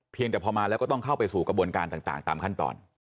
แต่พอมาแล้วก็ต้องเข้าไปสู่กระบวนการต่างตามขั้นตอน